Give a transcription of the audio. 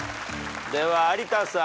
では有田さん。